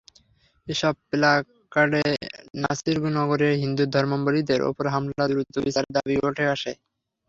এসব প্ল্যাকার্ডে নাসিরনগরে হিন্দু ধর্মাবলম্বীদের ওপর হামলার দ্রুত বিচারের দাবি ওঠে আসে।